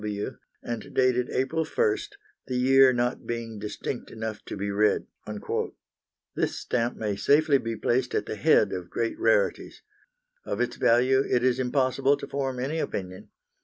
D. W.', and dated April 1st, the year not being distinct enough to be read." This stamp may safely be placed at the head of great rarities. Of its value it is impossible to form any opinion.